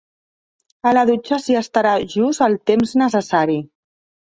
A la dutxa s'hi estarà just el temps necessari.